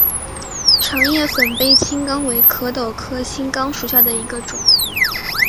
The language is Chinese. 长叶粉背青冈为壳斗科青冈属下的一个种。